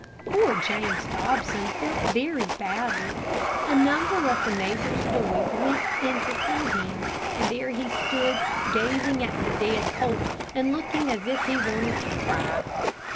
Poor James Dobson felt very badly. A number of the neighbors' boys went into see him, and there he stood gazing at the dead colt, and looking as if he wanted to cry.